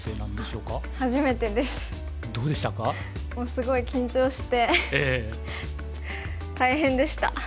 もうすごい緊張して大変でした。